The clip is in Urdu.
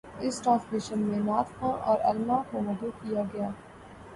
اس ٹرانسمیشن میں نعت خواں اور علمأ کو مدعو کیا گیا